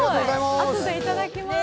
あとでいただきまーす。